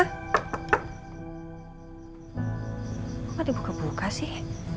kok gak dibuka buka sih